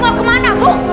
mau kemana bu